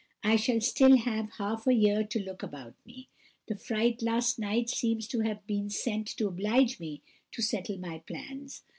I shall still have half a year to look about me. The fright last night seems to have been sent to oblige me to settle my plans.